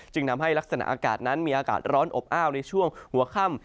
ทำให้ลักษณะอากาศนั้นมีอากาศร้อนอบอ้าวในช่วงหัวค่ำ